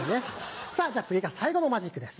さぁじゃ次が最後のマジックです。